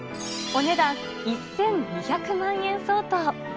お値段１２００万円相当。